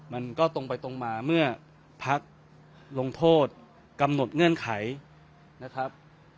มันก็ตรงไปตรงมาเมื่อพักลงโทษกำหนดเงื่อนไขนะครับ